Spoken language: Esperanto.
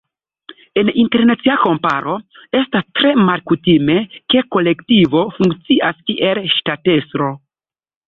En internacia komparo estas tre malkutime, ke kolektivo funkcias kiel ŝtatestro.